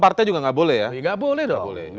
partai juga tidak boleh ya tidak boleh dong